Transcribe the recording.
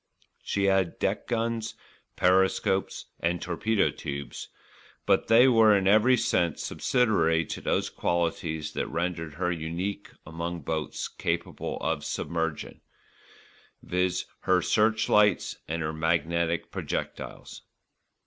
She had deck guns, periscopes and torpedo tubes; but they were in every sense subsidiary to those qualities that rendered her unique among boats capable of submersion, viz., her searchlights and her magnetic projectiles.